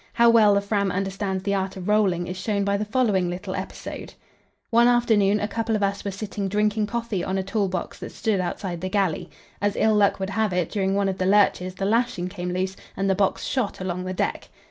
How well the Fram understands the art of rolling is shown by the following little episode. One afternoon a couple of us were sitting drinking coffee on a tool box that stood outside the galley. As ill luck would have it, during one of the lurches the lashing came loose, and the box shot along the deck.